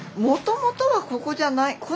もともとはここじゃない。